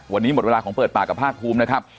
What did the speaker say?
วันนี้หมดเวลาของเปิดปากกับภาคภูมินะครับ